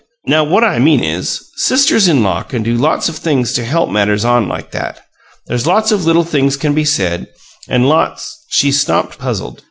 Now, what I mean is, sisters in law can do lots of things to help matters on like that. There's lots of little things can be said, and lots " She stopped, puzzled.